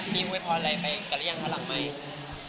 มีเวพละอะไรไปกันแล้วยังประหลังไมค์